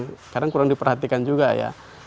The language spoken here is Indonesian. kadang kadang kurang diperhatikan juga ya